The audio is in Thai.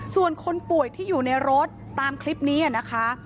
ส่วนคนป่วยที่อยู่ในรถตามคลิปนี้นะคะ